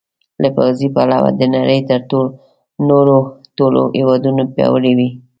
له پوځي پلوه د نړۍ تر نورو ټولو هېوادونو پیاوړي وي.